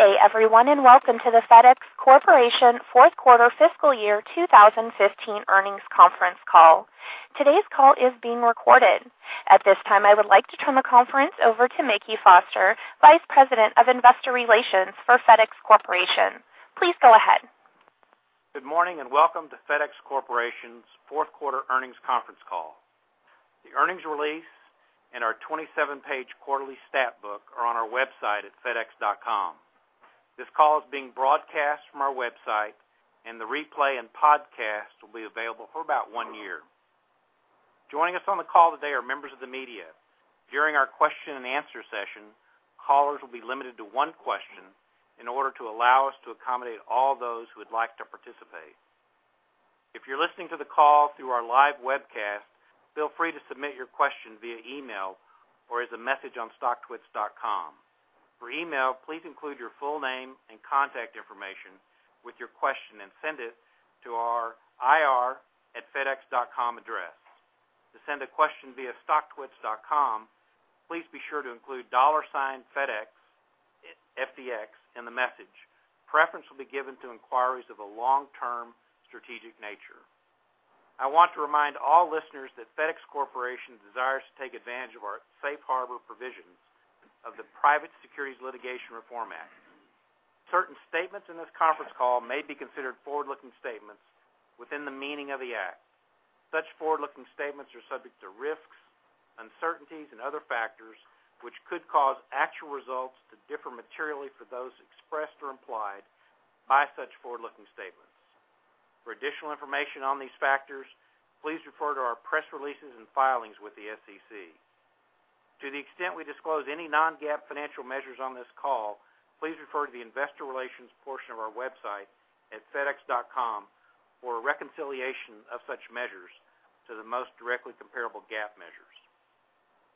Good day, everyone, and welcome to the FedEx Corporation Fourth Quarter Fiscal Year 2015 Earnings Conference call. Today's call is being recorded. At this time, I would like to turn the conference over to Mickey Foster, Vice President of Investor Relations for FedEx Corporation. Please go ahead. Good morning and welcome to FedEx Corporation's Fourth Quarter Earnings Conference call. The earnings release and our 27-page quarterly stat book are on our website at fedex.com. This call is being broadcast from our website, and the replay and podcast will be available for about one year. Joining us on the call today are members of the media. During our question-and-answer session, callers will be limited to one question in order to allow us to accommodate all those who would like to participate. If you're listening to the call through our live webcast, feel free to submit your question via email or as a message on stocktwits.com. For email, please include your full name and contact information with your question and send it to our ir@fedex.com address. To send a question via stocktwits.com, please be sure to include dollar sign FedEx, FDX, in the message. Preference will be given to inquiries of a long-term strategic nature. I want to remind all listeners that FedEx Corporation desires to take advantage of our safe harbor provisions of the Private Securities Litigation Reform Act. Certain statements in this conference call may be considered forward-looking statements within the meaning of the act. Such forward-looking statements are subject to risks, uncertainties, and other factors which could cause actual results to differ materially from those expressed or implied by such forward-looking statements. For additional information on these factors, please refer to our press releases and filings with the SEC. To the extent we disclose any non-GAAP financial measures on this call, please refer to the investor relations portion of our website at fedex.com for reconciliation of such measures to the most directly comparable GAAP measures.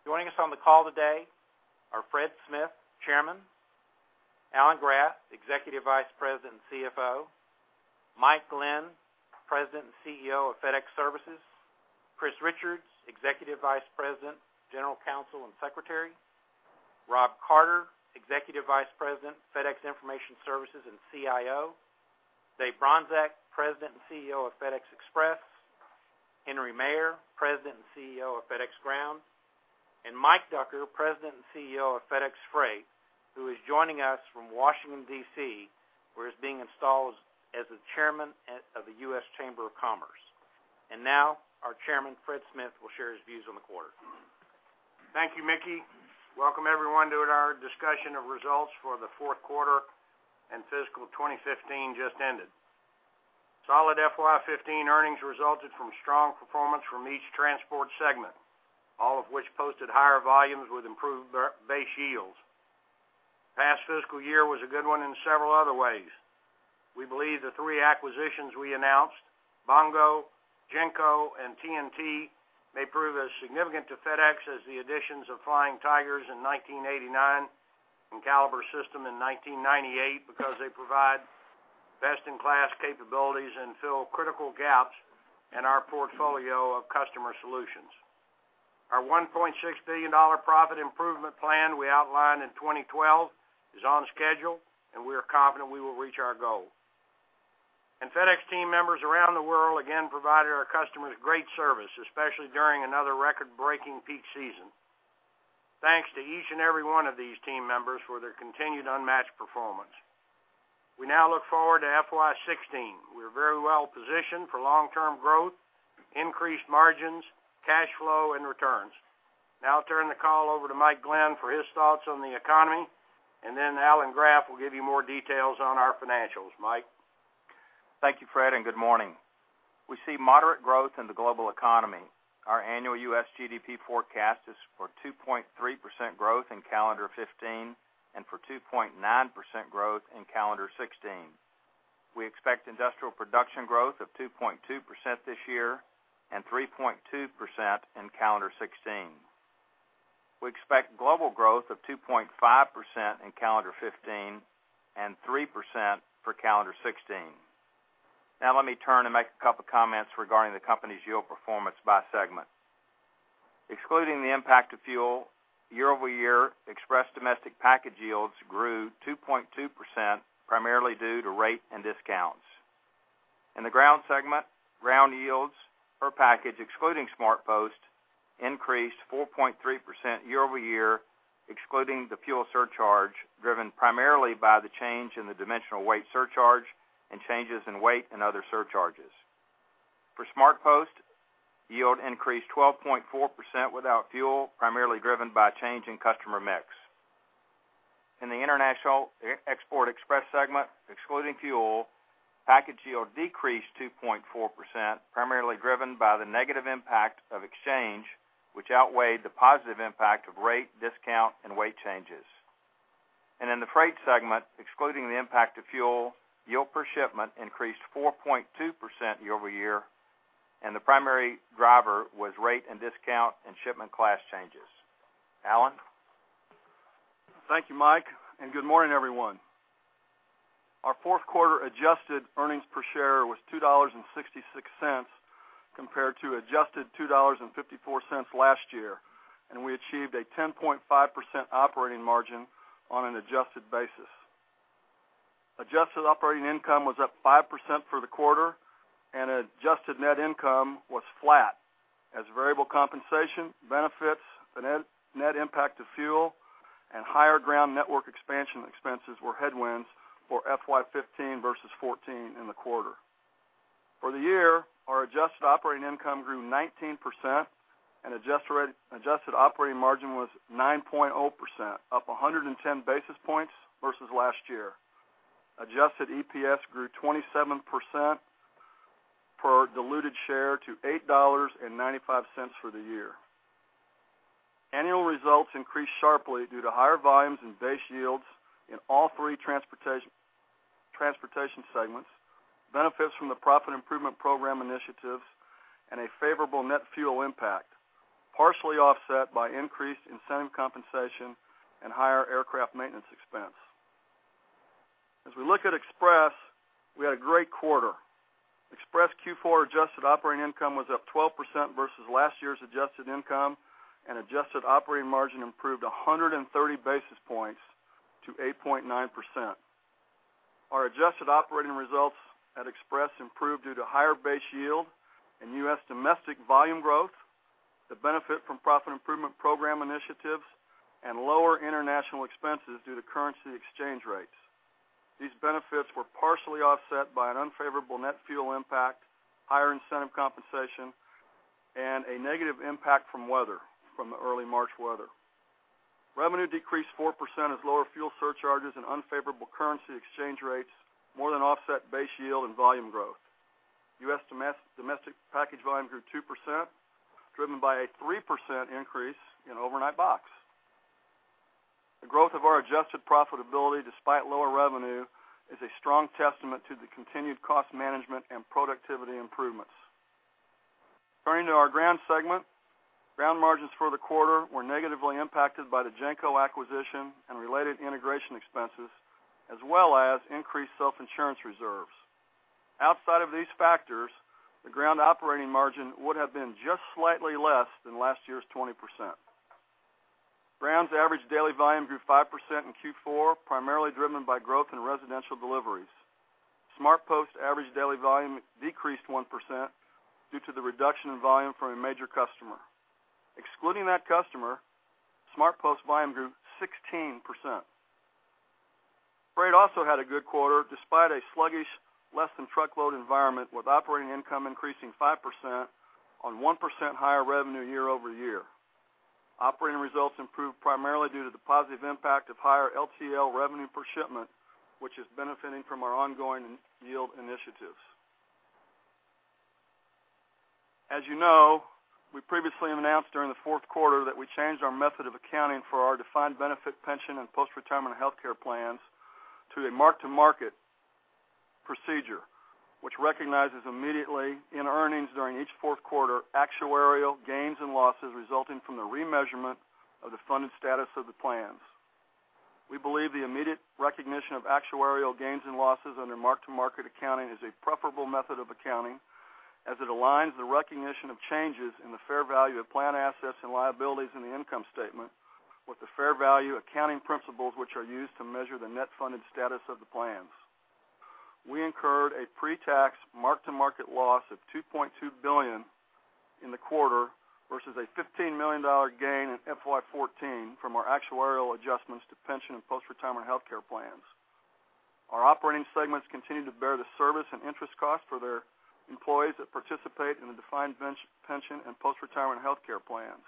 Joining us on the call today are Fred Smith, Chairman, Alan Graf, Executive Vice President and CFO, Mike Glenn, President and CEO of FedEx Services, Chris Richards, Executive Vice President, General Counsel and Secretary, Rob Carter, Executive Vice President, FedEx Information Services and CIO, Dave Bronczek, President and CEO of FedEx Express, Henry Maier, President and CEO of FedEx Ground, and Mike Ducker, President and CEO of FedEx Freight, who is joining us from Washington, D.C., where he's being installed as the Chairman of the U.S. Chamber of Commerce. And now, our Chairman, Fred Smith, will share his views on the quarter. Thank you, Mickey. Welcome, everyone, to our discussion of results for the fourth quarter and fiscal 2015 just ended. Solid FY 15 earnings resulted from strong performance from each transport segment, all of which posted higher volumes with improved base yields. Past fiscal year was a good one in several other ways. We believe the three acquisitions we announced, Bongo, GENCO, and TNT, may prove as significant to FedEx as the additions of Flying Tigers in 1989 and Caliber System in 1998 because they provide best-in-class capabilities and fill critical gaps in our portfolio of customer solutions. Our $1.6 billion profit improvement plan we outlined in 2012 is on schedule, and we are confident we will reach our goal. FedEx team members around the world again provided our customers great service, especially during another record-breaking peak season. Thanks to each and every one of these team members for their continued unmatched performance. We now look forward to FY 16. We are very well positioned for long-term growth, increased margins, cash flow, and returns. Now I'll turn the call over to Mike Lenz for his thoughts on the economy, and then Alan Graf will give you more details on our financials. Mike. Thank you, Fred, and good morning. We see moderate growth in the global economy. Our annual U.S. GDP forecast is for 2.3% growth in calendar 2015 and for 2.9% growth in calendar 2016. We expect industrial production growth of 2.2% this year and 3.2% in calendar 2016. We expect global growth of 2.5% in calendar 2015 and 3% for calendar 2016. Now let me turn and make a couple of comments regarding the company's yield performance by segment. Excluding the impact of fuel, year-over-year express domestic package yields grew 2.2%, primarily due to rate and discounts. In the Ground segment, Ground yields per package, excluding SmartPost, increased 4.3% year-over-year, excluding the fuel surcharge, driven primarily by the change in the dimensional weight surcharge and changes in weight and other surcharges. For SmartPost, yield increased 12.4% without fuel, primarily driven by change in customer mix. In the International Export Express segment, excluding fuel, package yield decreased 2.4%, primarily driven by the negative impact of exchange, which outweighed the positive impact of rate, discount, and weight changes. In the Freight segment, excluding the impact of fuel, yield per shipment increased 4.2% year-over-year, and the primary driver was rate and discount and shipment class changes. Alan? Thank you, Mike, and good morning, everyone. Our fourth quarter adjusted earnings per share was $2.66 compared to adjusted $2.54 last year, and we achieved a 10.5% operating margin on an adjusted basis. Adjusted operating income was up 5% for the quarter, and adjusted net income was flat, as variable compensation, benefits, the net impact of fuel, and higher Ground network expansion expenses were headwinds for FY 2015 versus 2014 in the quarter. For the year, our adjusted operating income grew 19%, and adjusted operating margin was 9.0%, up 110 basis points versus last year. Adjusted EPS grew 27% per diluted share to $8.95 for the year. Annual results increased sharply due to higher volumes and base yields in all three transportation segments, benefits from the Profit Improvement Program initiatives, and a favorable net fuel impact, partially offset by increased incentive compensation and higher aircraft maintenance expense. As we look at Express, we had a great quarter. Express Q4 adjusted operating income was up 12% versus last year's adjusted income, and adjusted operating margin improved 130 basis points to 8.9%. Our adjusted operating results at Express improved due to higher base yield and U.S. domestic volume growth, the benefit from Profit Improvement Program initiatives, and lower international expenses due to currency exchange rates. These benefits were partially offset by an unfavorable net fuel impact, higher incentive compensation, and a negative impact from weather, from the early March weather. Revenue decreased 4% as lower fuel surcharges and unfavorable currency exchange rates more than offset base yield and volume growth. U.S. domestic package volume grew 2%, driven by a 3% increase in Overnight Box. The growth of our adjusted profitability, despite lower revenue, is a strong testament to the continued cost management and productivity improvements. Turning to our Ground segment, Ground margins for the quarter were negatively impacted by the GENCO acquisition and related integration expenses, as well as increased self-insurance reserves. Outside of these factors, the Ground operating margin would have been just slightly less than last year's 20%. Ground's average daily volume grew 5% in Q4, primarily driven by growth in residential deliveries. SmartPost's average daily volume decreased 1% due to the reduction in volume from a major customer. Excluding that customer, SmartPost's volume grew 16%. Freight also had a good quarter, despite a sluggish, less-than-truckload environment, with operating income increasing 5% on 1% higher revenue year-over-year. Operating results improved primarily due to the positive impact of higher LTL revenue per shipment, which is benefiting from our ongoing yield initiatives. As you know, we previously announced during the fourth quarter that we changed our method of accounting for our defined benefit pension and post-retirement healthcare plans to a Mark-to-Market procedure, which recognizes immediately, in earnings during each fourth quarter, actuarial gains and losses resulting from the remeasurement of the funded status of the plans. We believe the immediate recognition of actuarial gains and losses under Mark-to-Market accounting is a preferable method of accounting, as it aligns the recognition of changes in the fair value of plan assets and liabilities in the income statement with the fair value accounting principles, which are used to measure the net funded status of the plans. We incurred a pre-tax Mark-to-Market loss of $2.2 billion in the quarter versus a $15 million gain in FY 2014 from our actuarial adjustments to pension and post-retirement healthcare plans. Our operating segments continue to bear the service and interest costs for their employees that participate in the defined pension and post-retirement healthcare plans.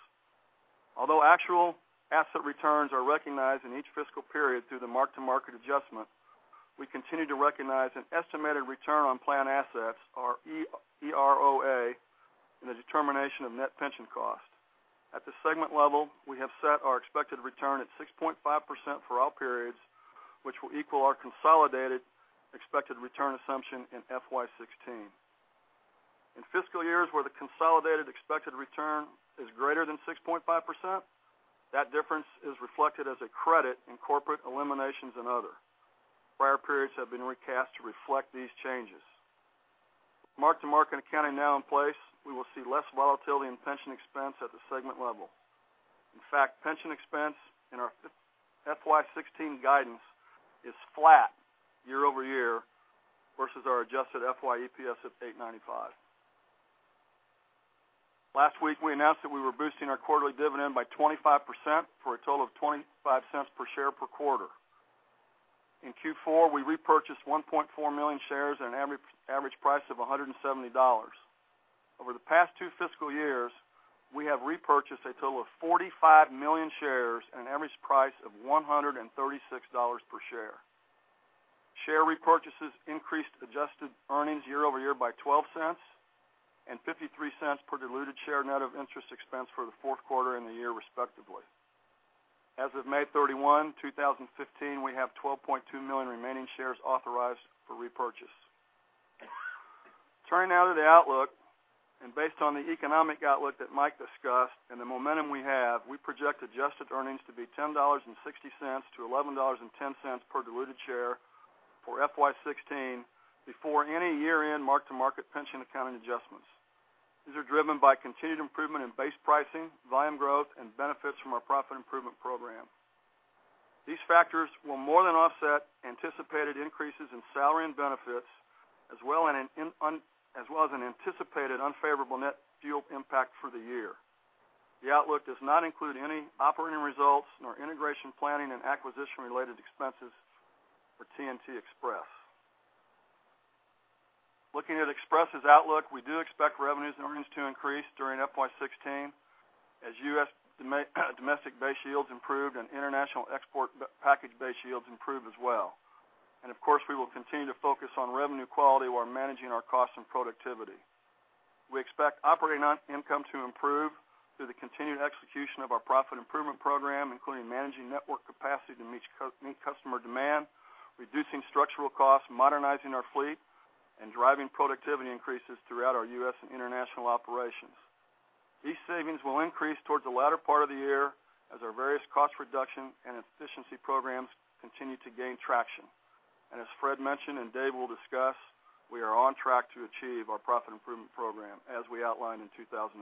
Although actual asset returns are recognized in each fiscal period through the Mark-to-Market adjustment, we continue to recognize an estimated return on plan assets, or EROA, in the determination of net pension cost. At the segment level, we have set our expected return at 6.5% for all periods, which will equal our consolidated expected return assumption in FY 2016. In fiscal years where the consolidated expected return is greater than 6.5%, that difference is reflected as a credit in corporate eliminations and other. Prior periods have been recast to reflect these changes. With Mark-to-Market accounting now in place, we will see less volatility in pension expense at the segment level. In fact, pension expense in our FY 16 guidance is flat year-over-year versus our adjusted FY EPS of $8.95. Last week, we announced that we were boosting our quarterly dividend by 25% for a total of $0.25 per share per quarter. In Q4, we repurchased 1.4 million shares at an average price of $170. Over the past two fiscal years, we have repurchased a total of 45 million shares at an average price of $136 per share. Share repurchases increased adjusted earnings year-over-year by $0.12 and $0.53 per diluted share net of interest expense for the fourth quarter and the year, respectively. As of May 31, 2015, we have 12.2 million remaining shares authorized for repurchase. Turning now to the outlook, and based on the economic outlook that Mike discussed and the momentum we have, we project adjusted earnings to be $10.60-$11.10 per diluted share for FY 2016 before any year-end mark-to-market pension accounting adjustments. These are driven by continued improvement in base pricing, volume growth, and benefits from our Profit Improvement Program. These factors will more than offset anticipated increases in salary and benefits, as well as an anticipated unfavorable net fuel impact for the year. The outlook does not include any operating results nor integration planning and acquisition-related expenses for TNT Express. Looking at Express's outlook, we do expect revenues and earnings to increase during FY 2016, as U.S. domestic base yields improved and international export package base yields improved as well. Of course, we will continue to focus on revenue quality while managing our costs and productivity. We expect operating income to improve through the continued execution of our Profit Improvement Program, including managing network capacity to meet customer demand, reducing structural costs, modernizing our fleet, and driving productivity increases throughout our U.S. and international operations. These savings will increase towards the latter part of the year as our various cost reduction and efficiency programs continue to gain traction. As Fred mentioned and Dave will discuss, we are on track to achieve our Profit Improvement Program, as we outlined in 2012.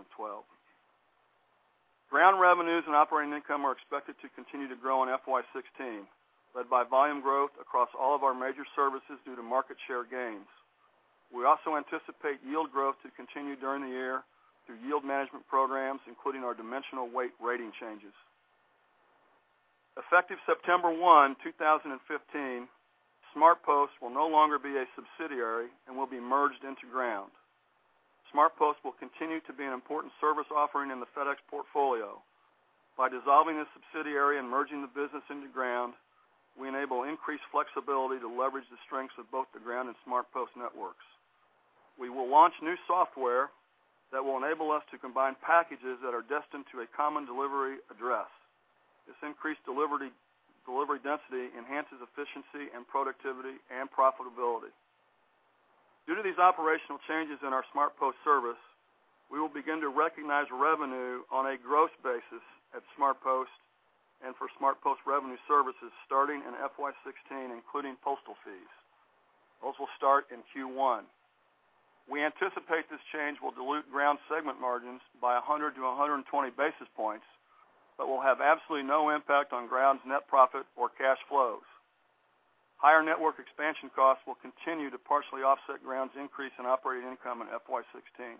Ground revenues and operating income are expected to continue to grow in FY 2016, led by volume growth across all of our major services due to market share gains. We also anticipate yield growth to continue during the year through yield management programs, including our dimensional weight rating changes. Effective September 1, 2015, SmartPost will no longer be a subsidiary and will be merged into Ground. SmartPost will continue to be an important service offering in the FedEx portfolio. By dissolving the subsidiary and merging the business into Ground, we enable increased flexibility to leverage the strengths of both the Ground and SmartPost networks. We will launch new software that will enable us to combine packages that are destined to a common delivery address. This increased delivery density enhances efficiency and productivity and profitability. Due to these operational changes in our SmartPost service, we will begin to recognize revenue on a gross basis at SmartPost and for SmartPost revenue services starting in FY 2016, including postal fees. Those will start in Q1. We anticipate this change will dilute Ground segment margins by 100 to 120 basis points, but will have absolutely no impact on Ground's net profit or cash flows. Higher network expansion costs will continue to partially offset Ground's increase in operating income in FY 2016.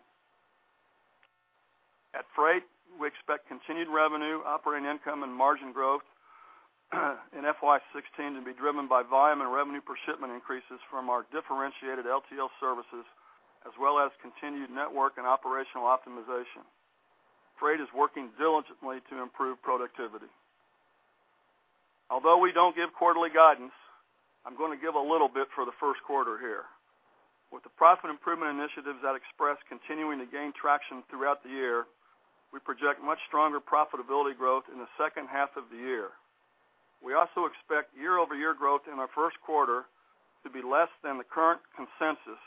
At Freight, we expect continued revenue, operating income, and margin growth in FY 2016 to be driven by volume and revenue per shipment increases from our differentiated LTL services, as well as continued network and operational optimization. Freight is working diligently to improve productivity. Although we don't give quarterly guidance, I'm going to give a little bit for the first quarter here. With the profit improvement initiatives at Express continuing to gain traction throughout the year, we project much stronger profitability growth in the second half of the year. We also expect year-over-year growth in our first quarter to be less than the current consensus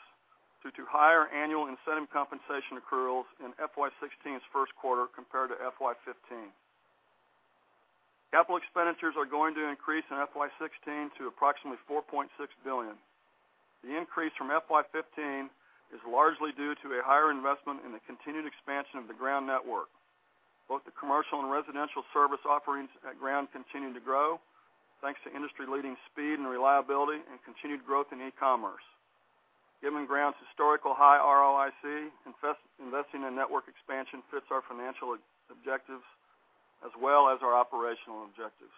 due to higher annual incentive compensation accruals in FY 2016's first quarter compared to FY 2015. Capital expenditures are going to increase in FY 2016 to approximately $4.6 billion. The increase from FY 2015 is largely due to a higher investment in the continued expansion of the Ground network. Both the commercial and residential service offerings at Ground continue to grow, thanks to industry-leading speed and reliability and continued growth in e-commerce. Given Ground's historical high ROIC, investing in network expansion fits our financial objectives, as well as our operational objectives.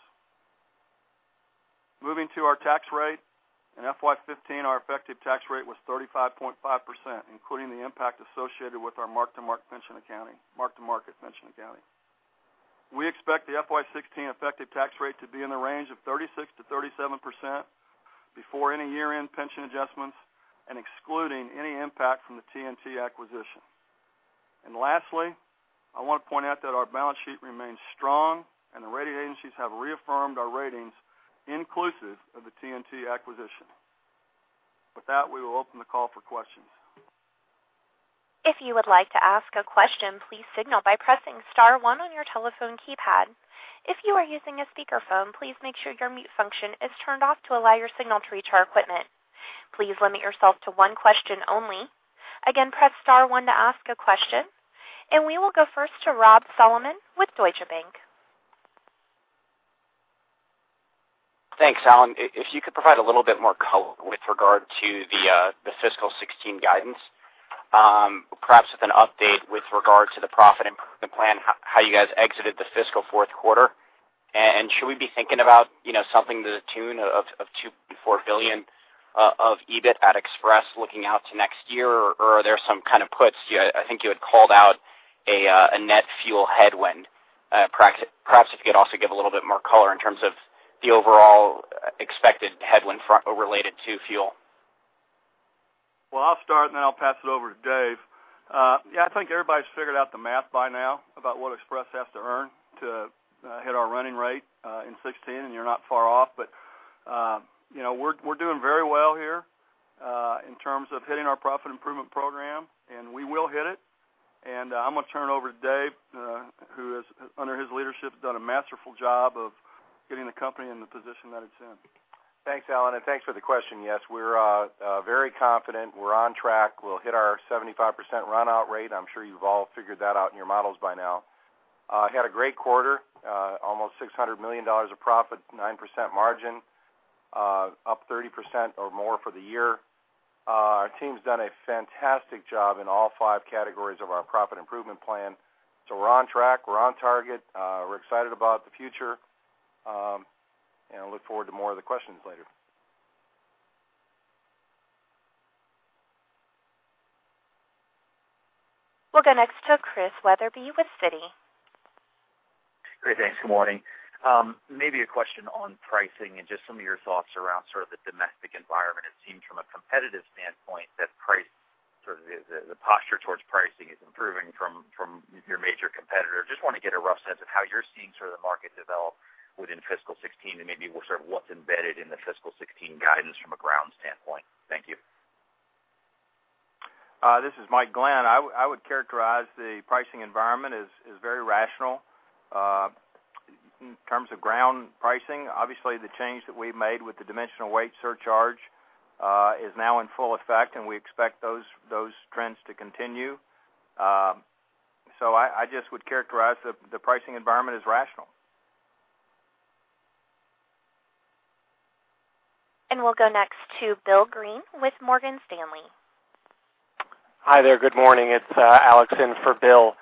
Moving to our tax rate, in FY 2015, our effective tax rate was 35.5%, including the impact associated with our mark-to-market pension accounting, mark-to-market pension accounting. We expect the FY 2016 effective tax rate to be in the range of 36%-37% before any year-end pension adjustments, excluding any impact from the TNT acquisition. And lastly, I want to point out that our balance sheet remains strong, and the rating agencies have reaffirmed our ratings inclusive of the TNT acquisition. With that, we will open the call for questions. If you would like to ask a question, please signal by pressing star one on your telephone keypad. If you are using a speakerphone, please make sure your mute function is turned off to allow your signal to reach our equipment. Please limit yourself to one question only. Again, press star one to ask a question. We will go first to Rob Salmon with Deutsche Bank. Thanks, Alan. If you could provide a little bit more color with regard to the fiscal 2016 guidance, perhaps with an update with regard to the profit improvement plan, how you guys exited the fiscal fourth quarter. Should we be thinking about something to the tune of $2.4 billion of EBIT at Express looking out to next year, or are there some kind of puts? I think you had called out a net fuel headwind. Perhaps if you could also give a little bit more color in terms of the overall expected headwind related to fuel. Well, I'll start, and then I'll pass it over to Dave. Yeah, I think everybody's figured out the math by now about what Express has to earn to hit our running rate in 2016, and you're not far off. But we're doing very well here in terms of hitting our Profit Improvement Program, and we will hit it. And I'm going to turn it over to Dave, who has, under his leadership, done a masterful job of getting the company in the position that it's in. Thanks, Alan. And thanks for the question, yes. We're very confident. We're on track. We'll hit our 75% runout rate. I'm sure you've all figured that out in your models by now. Had a great quarter, almost $600 million of profit, 9% margin, up 30% or more for the year. Our team's done a fantastic job in all five categories of our profit improvement plan. So we're on track. We're on target. We're excited about the future, and I look forward to more of the questions later. We'll go next to Chris Wetherbee with Citi. Great, thanks. Good morning. Maybe a question on pricing and just some of your thoughts around sort of the domestic environment. It seems, from a competitive standpoint, that price, sort of the posture towards pricing, is improving from your major competitor. Just want to get a rough sense of how you're seeing sort of the market develop within fiscal 2016, and maybe sort of what's embedded in the fiscal 2016 guidance from a Ground standpoint. Thank you. This is Mike Glenn. I would characterize the pricing environment as very rational in terms of Ground pricing. Obviously, the change that we've made with the dimensional weight surcharge is now in full effect, and we expect those trends to continue. I just would characterize the pricing environment as rational. We'll go next to Bill Greene with Morgan Stanley. Hi there. Good morning. It's Alex in for Bill.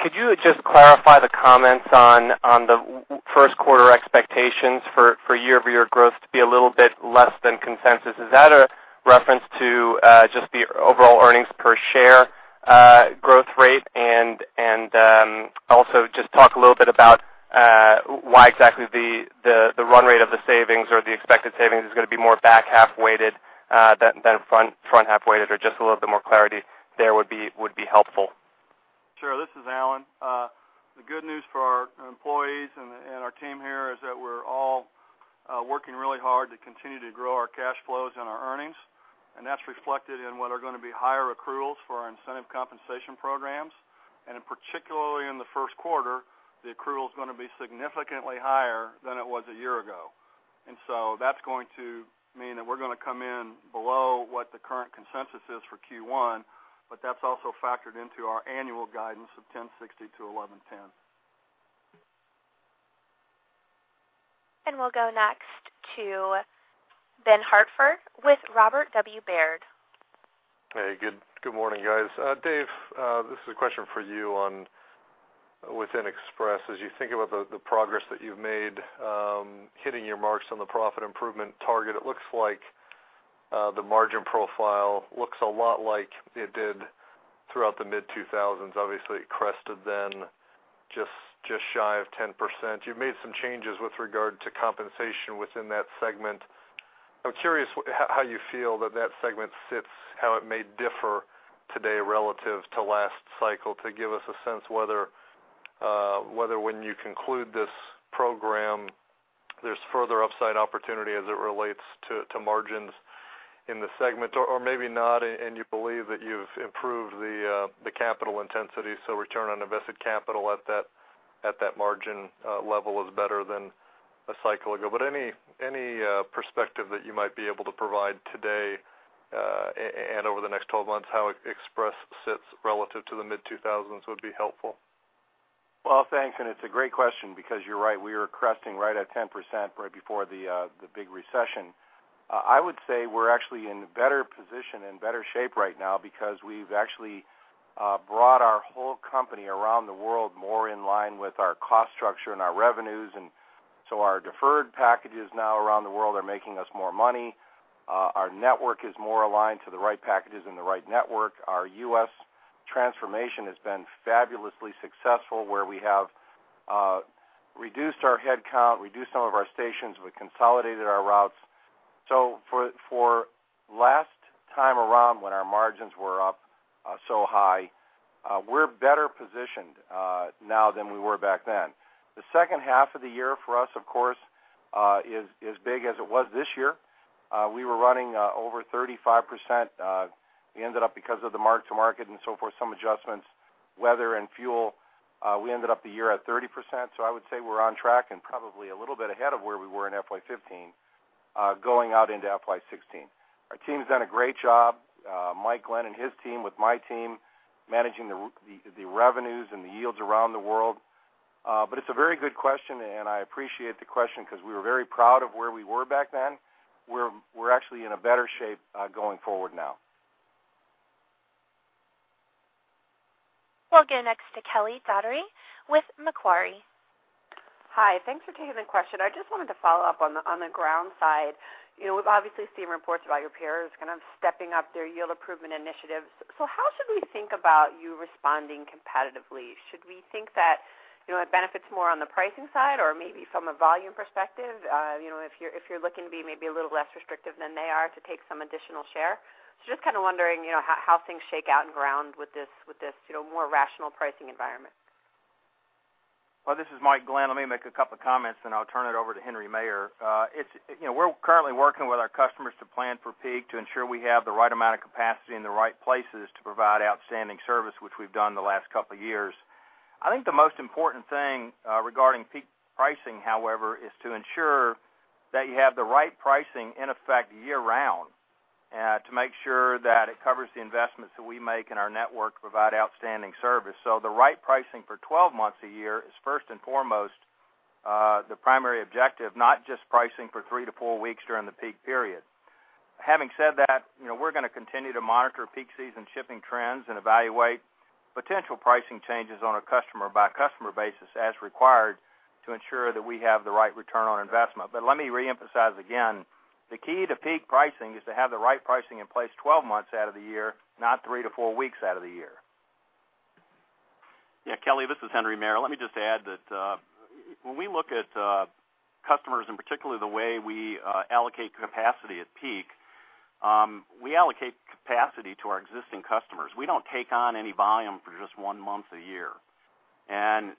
Could you just clarify the comments on the first quarter expectations for year-over-year growth to be a little bit less than consensus? Is that a reference to just the overall earnings per share growth rate? And also just talk a little bit about why exactly the run rate of the savings, or the expected savings, is going to be more back half-weighted than front half-weighted, or just a little bit more clarity there would be helpful. Sure. This is Alan. The good news for our employees and our team here is that we're all working really hard to continue to grow our cash flows and our earnings. That's reflected in what are going to be higher accruals for our incentive compensation programs. Particularly in the first quarter, the accrual is going to be significantly higher than it was a year ago. So that's going to mean that we're going to come in below what the current consensus is for Q1, but that's also factored into our annual guidance of $10.60-$11.10. We'll go next to Ben Hartford with Robert W. Baird. Hey, good morning, guys. Dave, this is a question for you on within Express. As you think about the progress that you've made, hitting your marks on the profit improvement target, it looks like the margin profile looks a lot like it did throughout the mid-2000s. Obviously, it crested then just shy of 10%. You've made some changes with regard to compensation within that segment. I'm curious how you feel that that segment sits, how it may differ today relative to last cycle, to give us a sense whether when you conclude this program, there's further upside opportunity as it relates to margins in the segment, or maybe not, and you believe that you've improved the capital intensity, so return on invested capital at that margin level is better than a cycle ago. But any perspective that you might be able to provide today and over the next 12 months, how Express sits relative to the mid-2000s, would be helpful. Well, thanks. It's a great question because you're right. We were cresting right at 10% right before the big recession. I would say we're actually in a better position, in better shape right now because we've actually brought our whole company around the world more in line with our cost structure and our revenues. And so our deferred packages now around the world are making us more money. Our network is more aligned to the right packages and the right network. Our U.S. transformation has been fabulously successful, where we have reduced our headcount, reduced some of our stations, but consolidated our routes. So for last time around, when our margins were up so high, we're better positioned now than we were back then. The second half of the year for us, of course, is big as it was this year. We were running over 35%. We ended up, because of the mark-to-market and so forth, some adjustments, weather and fuel, we ended up the year at 30%. So I would say we're on track and probably a little bit ahead of where we were in FY 2015, going out into FY 2016. Our team's done a great job, Mike Glenn and his team with my team, managing the revenues and the yields around the world. But it's a very good question, and I appreciate the question because we were very proud of where we were back then. We're actually in a better shape going forward now. We'll go next to Kelly Dougherty, with Macquarie. Hi. Thanks for taking the question. I just wanted to follow up on the Ground side. We've obviously seen reports about your peers kind of stepping up their yield improvement initiatives. So how should we think about you responding competitively? Should we think that it benefits more on the pricing side, or maybe from a volume perspective, if you're looking to be maybe a little less restrictive than they are to take some additional share? So just kind of wondering how things shake out and Ground with this more rational pricing environment. Well, this is Mike Glenn. Let me make a couple of comments, and I'll turn it over to Henry Maier. We're currently working with our customers to plan for peak to ensure we have the right amount of capacity in the right places to provide outstanding service, which we've done the last couple of years. I think the most important thing regarding peak pricing, however, is to ensure that you have the right pricing in effect year-round to make sure that it covers the investments that we make in our network to provide outstanding service. So the right pricing for 12 months a year is, first and foremost, the primary objective, not just pricing for 3-4 weeks during the peak period. Having said that, we're going to continue to monitor peak season shipping trends and evaluate potential pricing changes on a customer-by-customer basis as required to ensure that we have the right return on investment. But let me reemphasize again, the key to peak pricing is to have the right pricing in place 12 months out of the year, not 3-4 weeks out of the year. Yeah, Kelly, this is Henry Maier. Let me just add that when we look at customers, and particularly the way we allocate capacity at peak, we allocate capacity to our existing customers. We don't take on any volume for just 1 month a year. And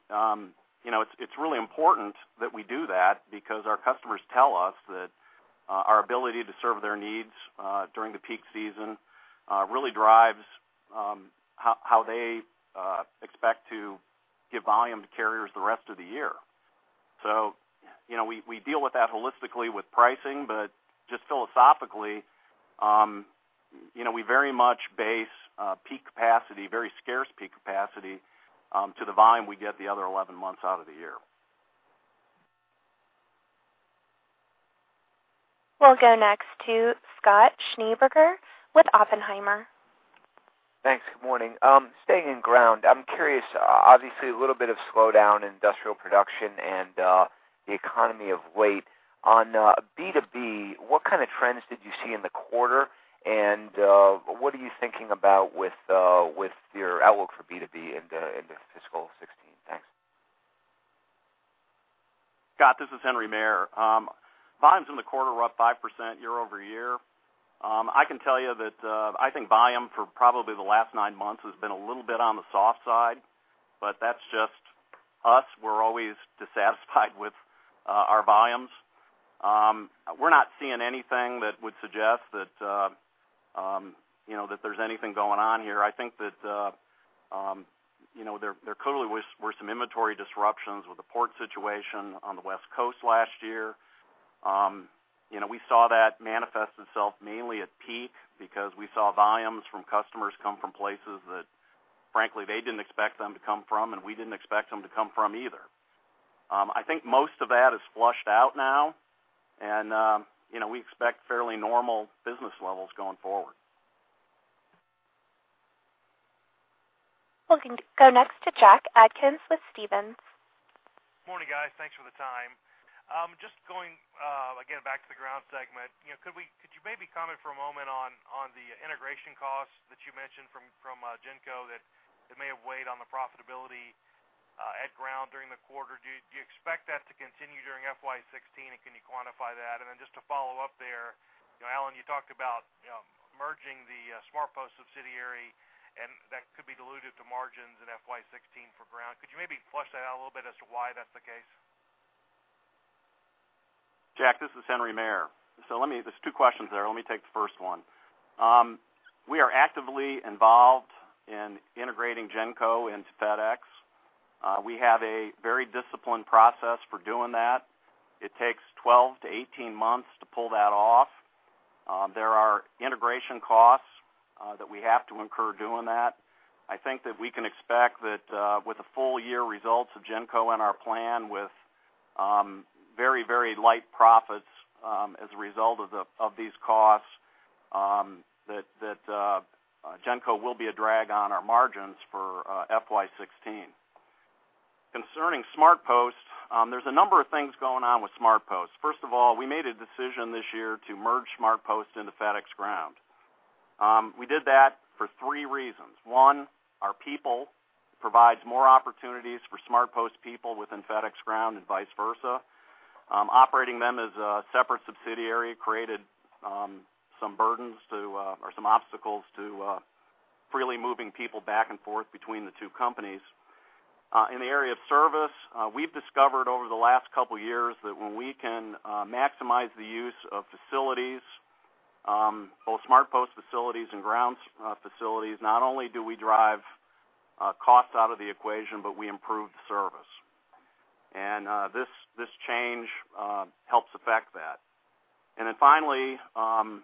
it's really important that we do that because our customers tell us that our ability to serve their needs during the peak season really drives how they expect to give volume to carriers the rest of the year. We deal with that holistically with pricing, but just philosophically, we very much base peak capacity, very scarce peak capacity, to the volume we get the other 11 months out of the year. We'll go next to Scott Schneeberger with Oppenheimer. Thanks. Good morning. Staying in ground, I'm curious, obviously, a little bit of slowdown in industrial production and the economy of weight. On B2B, what kind of trends did you see in the quarter, and what are you thinking about with your outlook for B2B into fiscal 2016? Thanks. Scott, this is Henry Maier. Volumes in the quarter were up 5% year-over-year. I can tell you that I think volume for probably the last nine months has been a little bit on the soft side, but that's just us. We're always dissatisfied with our volumes. We're not seeing anything that would suggest that there's anything going on here. I think that there clearly were some inventory disruptions with the port situation on the West Coast last year. We saw that manifest itself mainly at peak because we saw volumes from customers come from places that, frankly, they didn't expect them to come from, and we didn't expect them to come from either. I think most of that is flushed out now, and we expect fairly normal business levels going forward. We'll go next to Jack Atkins with Stephens. Morning, guys. Thanks for the time. Just going again back to the Ground segment, could you maybe comment for a moment on the integration costs that you mentioned from GENCO that may have weighed on the profitability at Ground during the quarter? Do you expect that to continue during FY 2016, and can you quantify that? And then just to follow up there, Alan, you talked about merging the SmartPost subsidiary, and that could be diluted to margins in FY 2016 for Ground. Could you maybe flesh that out a little bit as to why that's the case? Jack, this is Henry Maier. So there's two questions there. Let me take the first one. We are actively involved in integrating GENCO into FedEx. We have a very disciplined process for doing that. It takes 12-18 months to pull that off. There are integration costs that we have to incur doing that. I think that we can expect that with the full-year results of GENCO and our plan, with very, very light profits as a result of these costs, that GENCO will be a drag on our margins for FY 2016. Concerning SmartPost, there's a number of things going on with SmartPost. First of all, we made a decision this year to merge SmartPost into FedEx Ground. We did that for three reasons. One, our people provide more opportunities for SmartPost people within FedEx Ground and vice versa. Operating them as a separate subsidiary created some burdens or some obstacles to freely moving people back and forth between the two companies. In the area of service, we've discovered over the last couple of years that when we can maximize the use of facilities, both SmartPost facilities and ground facilities, not only do we drive costs out of the equation, but we improve the service. This change helps affect that. Then finally, on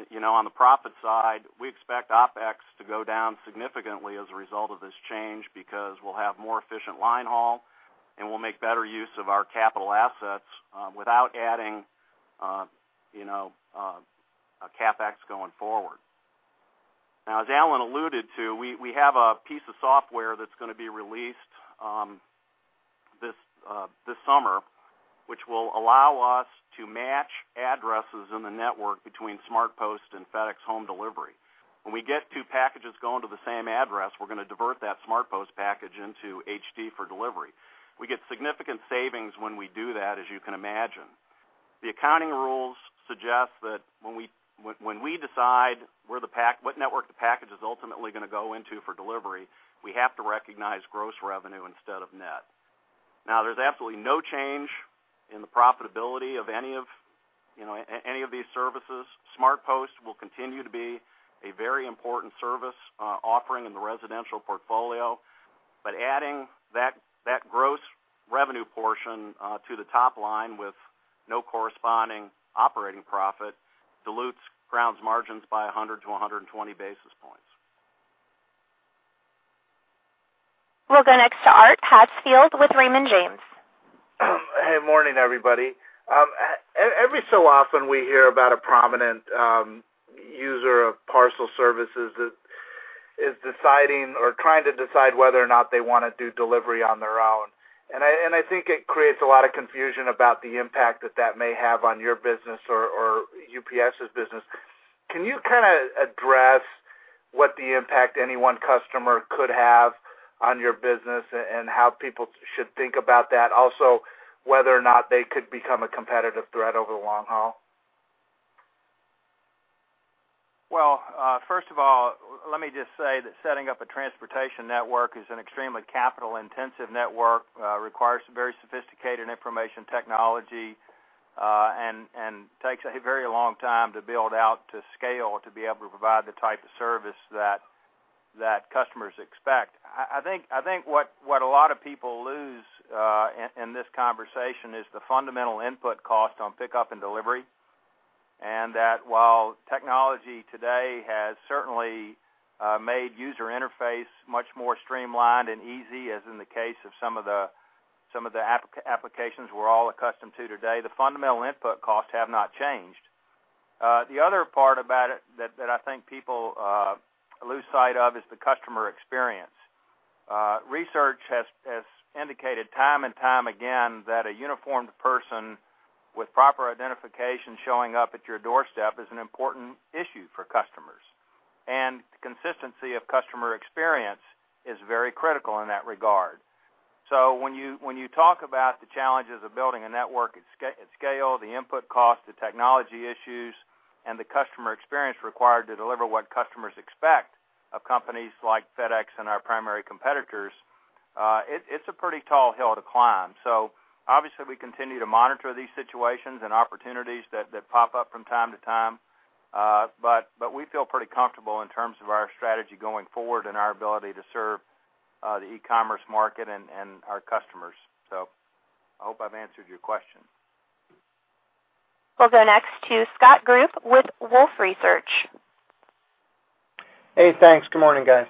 the profit side, we expect OPEX to go down significantly as a result of this change because we'll have more efficient line haul, and we'll make better use of our capital assets without adding a CapEx going forward. Now, as Alan alluded to, we have a piece of software that's going to be released this summer, which will allow us to match addresses in the network between SmartPost and FedEx Home Delivery. When we get two packages going to the same address, we're going to divert that SmartPost package into HD for delivery. We get significant savings when we do that, as you can imagine. The accounting rules suggest that when we decide what network the package is ultimately going to go into for delivery, we have to recognize gross revenue instead of net. Now, there's absolutely no change in the profitability of any of these services. SmartPost will continue to be a very important service offering in the residential portfolio, but adding that gross revenue portion to the top line with no corresponding operating profit dilutes ground's margins by 100-120 basis points. We'll go next to Art Hatfield with Raymond James. Hey, morning, everybody. Every so often, we hear about a prominent user of parcel services that is deciding or trying to decide whether or not they want to do delivery on their own. And I think it creates a lot of confusion about the impact that that may have on your business or UPS's business. Can you kind of address what the impact any one customer could have on your business and how people should think about that? Also, whether or not they could become a competitive threat over the long haul? Well, first of all, let me just say that setting up a transportation network is an extremely capital-intensive network, requires very sophisticated information technology, and takes a very long time to build out to scale to be able to provide the type of service that customers expect. I think what a lot of people lose in this conversation is the fundamental input cost on pickup and delivery, and that while technology today has certainly made user interface much more streamlined and easy, as in the case of some of the applications we're all accustomed to today, the fundamental input costs have not changed. The other part about it that I think people lose sight of is the customer experience. Research has indicated time and time again that a uniformed person with proper identification showing up at your doorstep is an important issue for customers. Consistency of customer experience is very critical in that regard. When you talk about the challenges of building a network at scale, the input cost, the technology issues, and the customer experience required to deliver what customers expect of companies like FedEx and our primary competitors, it's a pretty tall hill to climb. Obviously, we continue to monitor these situations and opportunities that pop up from time to time, but we feel pretty comfortable in terms of our strategy going forward and our ability to serve the e-commerce market and our customers. I hope I've answered your question. We'll go next to Scott Group with Wolfe Research. Hey, thanks. Good morning, guys.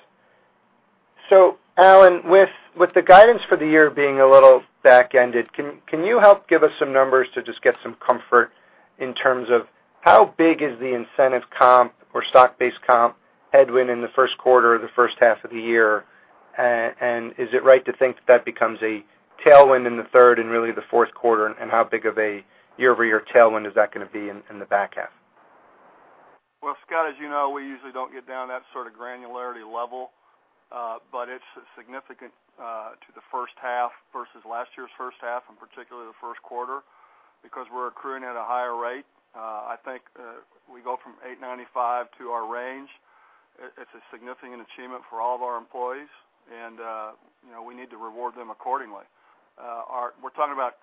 So Alan, with the guidance for the year being a little back-ended, can you help give us some numbers to just get some comfort in terms of how big is the incentive comp or stock-based comp headwind in the first quarter or the first half of the year? And is it right to think that that becomes a tailwind in the third and really the fourth quarter? And how big of a year-over-year tailwind is that going to be in the back half? Well, Scott, as you know, we usually don't get down that sort of granularity level, but it's significant to the first half versus last year's first half, and particularly the first quarter, because we're accruing at a higher rate. I think we go from 8.95 to our range. It's a significant achievement for all of our employees, and we need to reward them accordingly. We're talking about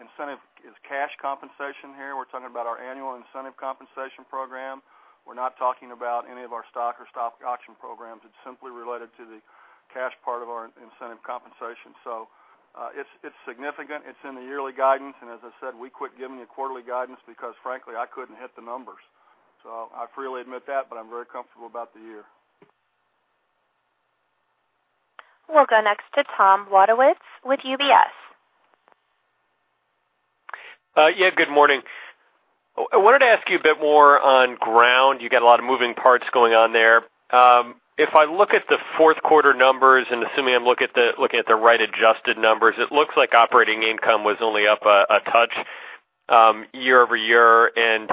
incentive is cash compensation here. We're talking about our annual incentive compensation program. We're not talking about any of our stock or stock auction programs. It's simply related to the cash part of our incentive compensation. So it's significant. It's in the yearly guidance. And as I said, we quit giving you quarterly guidance because, frankly, I couldn't hit the numbers. So I freely admit that, but I'm very comfortable about the year. We'll go next to Tom Wadewitz with UBS. Yeah, good morning. I wanted to ask you a bit more on ground. You got a lot of moving parts going on there. If I look at the fourth quarter numbers, and assuming I'm looking at the right adjusted numbers, it looks like operating income was only up a touch year-over-year. And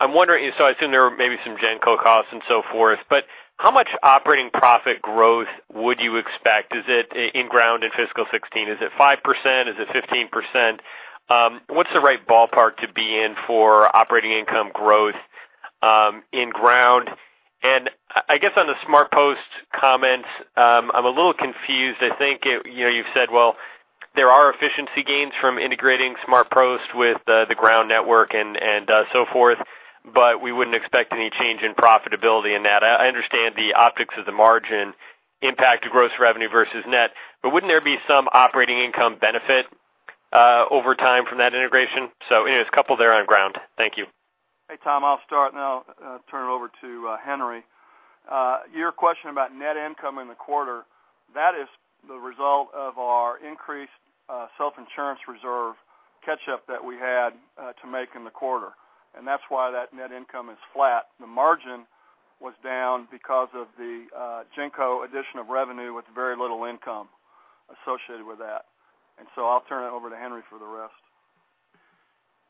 I'm wondering, so I assume there were maybe some GENCO costs and so forth, but how much operating profit growth would you expect? Is it in ground in fiscal 2016? Is it 5%? Is it 15%? What's the right ballpark to be in for operating income growth in ground? And I guess on the SmartPost comments, I'm a little confused. I think you've said, well, there are efficiency gains from integrating SmartPost with the ground network and so forth, but we wouldn't expect any change in profitability in that. I understand the optics of the margin impact gross revenue versus net, but wouldn't there be some operating income benefit over time from that integration? So anyways, a couple there on ground. Thank you. Hey, Tom, I'll start now. I'll turn it over to Henry. Your question about net income in the quarter, that is the result of our increased self-insurance reserve catch-up that we had to make in the quarter. And that's why that net income is flat. The margin was down because of the GENCO addition of revenue with very little income associated with that. And so I'll turn it over to Henry for the rest.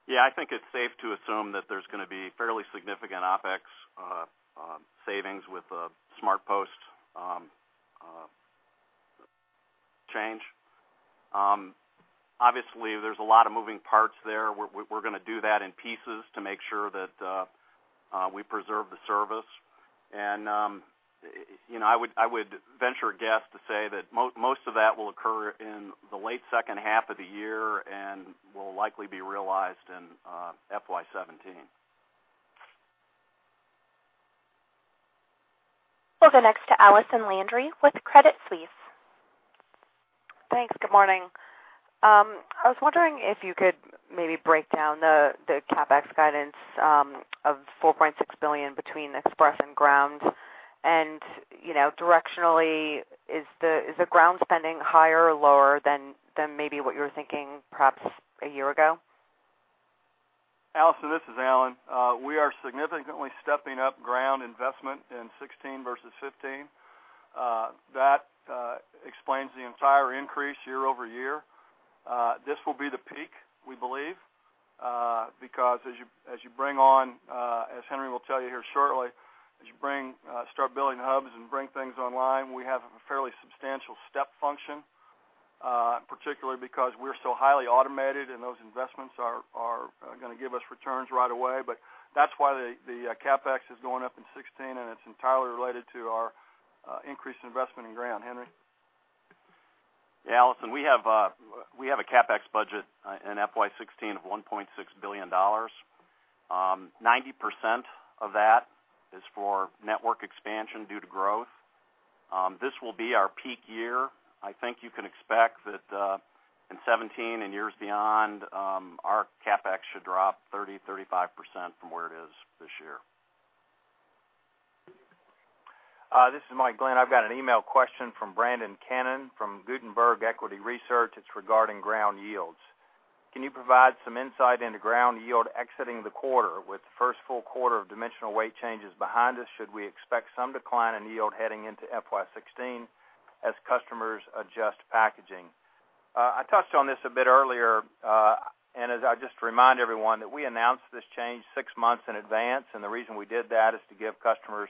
Yeah, I think it's safe to assume that there's going to be fairly significant OPEX savings with a SmartPost change. Obviously, there's a lot of moving parts there. We're going to do that in pieces to make sure that we preserve the service. And I would venture a guess to say that most of that will occur in the late second half of the year and will likely be realized in FY 2017. We'll go next to Allison Landry with Credit Suisse. Thanks. Good morning. I was wondering if you could maybe break down the CapEx guidance of $4.6 billion between Express and ground. Directionally, is the ground spending higher or lower than maybe what you were thinking perhaps a year ago? Allison, this is Alan. We are significantly stepping up ground investment in 2016 versus 2015. That explains the entire increase year-over-year. This will be the peak, we believe, because as you bring on, as Henry will tell you here shortly, as you start building hubs and bring things online, we have a fairly substantial step function, particularly because we're so highly automated, and those investments are going to give us returns right away. But that's why the CapEx is going up in 2016, and it's entirely related to our increased investment in ground. Henry? Yeah, Alison, we have a CapEx budget in FY 2016 of $1.6 billion. 90% of that is for network expansion due to growth. This will be our peak year. I think you can expect that in 2017 and years beyond, our CapEx should drop 30%-35% from where it is this year. This is Mike Glenn. I've got an email question from Brandon Cannon from Gutenberg Equity Research. It's regarding ground yields. Can you provide some insight into ground yield exiting the quarter with first full quarter of dimensional weight changes behind us? Should we expect some decline in yield heading into FY 2016 as customers adjust packaging? I touched on this a bit earlier, and I just remind everyone that we announced this change six months in advance. And the reason we did that is to give customers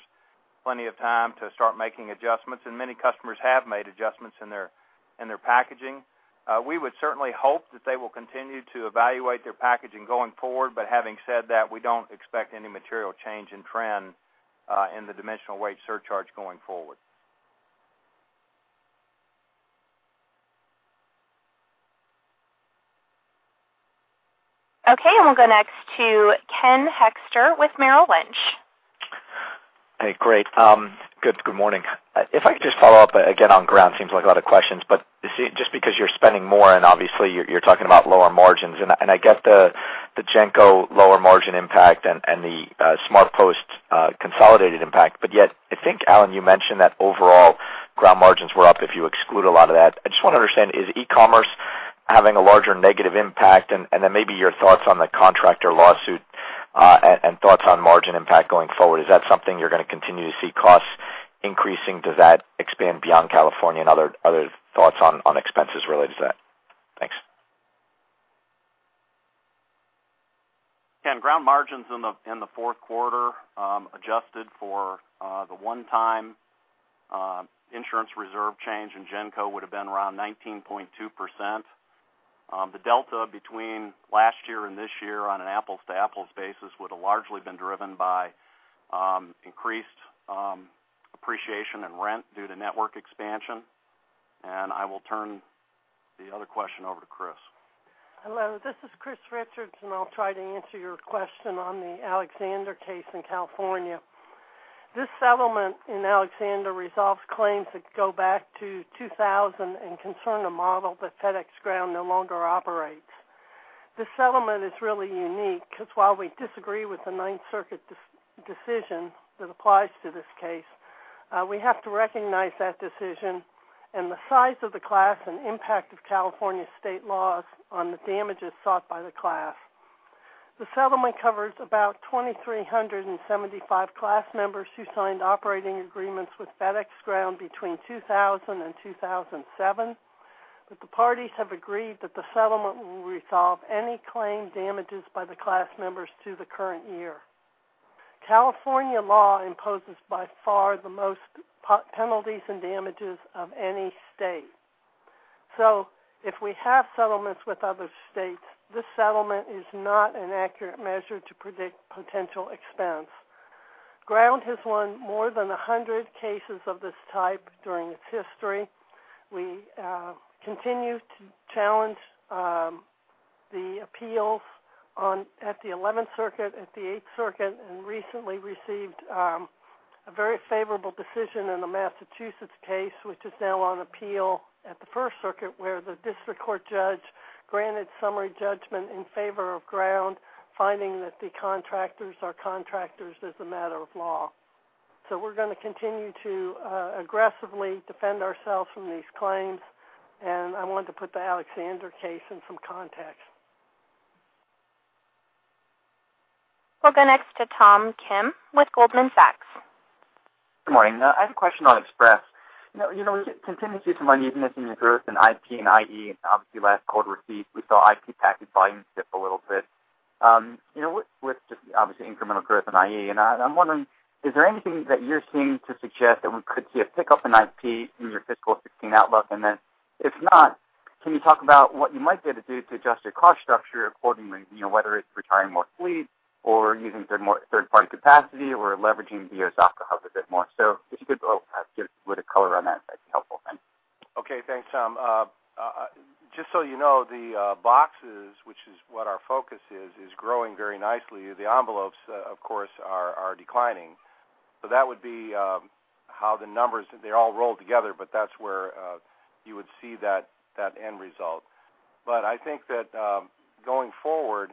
plenty of time to start making adjustments. Many customers have made adjustments in their packaging. We would certainly hope that they will continue to evaluate their packaging going forward. But having said that, we don't expect any material change in trend in the Dimensional Weight Surcharge going forward. Okay. We'll go next to Ken Hoexter with Merrill Lynch. Hey, great. Good morning. If I could just follow up again on Ground, seems like a lot of questions, but just because you're spending more and obviously you're talking about lower margins. I get the GENCO lower margin impact and the SmartPost consolidated impact, but yet I think, Alan, you mentioned that overall Ground margins were up if you exclude a lot of that. I just want to understand, is e-commerce having a larger negative impact? And then maybe your thoughts on the contractor lawsuit and thoughts on margin impact going forward. Is that something you're going to continue to see costs increasing? Does that expand beyond California? And other thoughts on expenses related to that? Thanks. Yeah, and ground margins in the fourth quarter adjusted for the one-time insurance reserve change in GENCO would have been around 19.2%. The delta between last year and this year on an apples-to-apples basis would have largely been driven by increased appreciation and rent due to network expansion. I will turn the other question over to Chris. Hello, this is Chris Richards, and I'll try to answer your question on the Alexander case in California. This settlement in Alexander resolves claims that go back to 2000 and concern a model that FedEx Ground no longer operates. This settlement is really unique because while we disagree with the Ninth Circuit decision that applies to this case, we have to recognize that decision and the size of the class and impact of California state laws on the damages sought by the class. The settlement covers about 2,375 class members who signed operating agreements with FedEx Ground between 2000 and 2007, but the parties have agreed that the settlement will resolve any claim damages by the class members to the current year. California law imposes by far the most penalties and damages of any state. If we have settlements with other states, this settlement is not an accurate measure to predict potential expense. Ground has won more than 100 cases of this type during its history. We continue to challenge the appeals at the 11th Circuit, at the 8th Circuit, and recently received a very favorable decision in the Massachusetts case, which is now on appeal at the First Circuit, where the district court judge granted summary judgment in favor of Ground, finding that the contractors are contractors as a matter of law. So we're going to continue to aggressively defend ourselves from these claims, and I want to put the Alexander case in some context. We'll go next to Tom Kim with Goldman Sachs. Good morning. I have a question on Express. We continue to see some unevenness in your growth in IP and IE, and obviously last quarter results, we saw IP package volume dip a little bit. With just obviously incremental growth in IE, and I'm wondering, is there anything that you're seeing to suggest that we could see a pickup in IP in your fiscal 2016 outlook? And then if not, can you talk about what you might be able to do to adjust your cost structure accordingly, whether it's retiring more fleet or using third-party capacity or leveraging DOSOC to help a bit more? So if you could give a little bit of color on that, that'd be helpful. Thanks. Okay, thanks, Tom. Just so you know, the boxes, which is what our focus is, is growing very nicely. The envelopes, of course, are declining. So that would be how the numbers, they all roll together, but that's where you would see that end result. But I think that going forward,